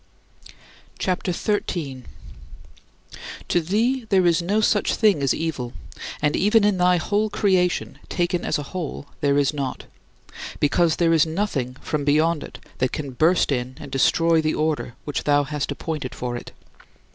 CHAPTER XIII 19. To thee there is no such thing as evil, and even in thy whole creation taken as a whole, there is not; because there is nothing from beyond it that can burst in and destroy the order which thou hast appointed for it.